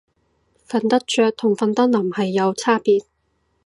瞓得着同瞓得稔係有差別